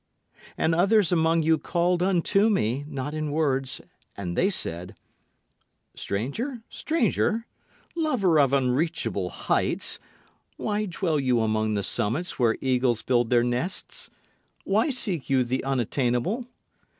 And others among you called unto me, not in words, and they said, "Stranger, stranger, lover of unreachable heights, why dwell you among the summits where eagles build their nests? Why seek you the unattainable?